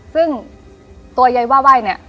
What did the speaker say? ซึ่งตัวยายบ้าใบเนี่ย